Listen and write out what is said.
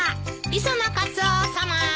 磯野カツオさま！